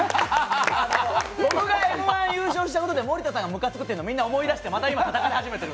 僕がＭ−１優勝したことで森田さんムカつくって、みんな思い出してまたたたかれ始めてる。